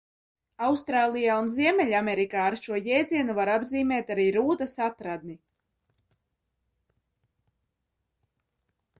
Austrālijā un Ziemeļamerikā ar šo jēdzienu var apzīmēt arī rūdas atradni.